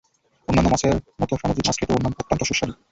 অন্যান্য মাছে মতো সামুদ্রিক মাছ খেতেও অত্যন্ত সুস্বাদু।